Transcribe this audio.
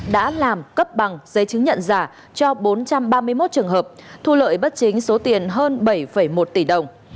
đã làm cấp bằng giấy chứng nhận giả cho bốn trăm ba mươi một trường hợp thu lợi bất chính số tiền hơn bảy một tỷ đồng